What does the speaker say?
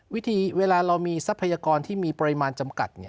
เวลาเรามีทรัพยากรที่มีปริมาณจำกัด